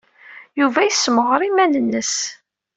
Yuba yessemɣar iman-nnes.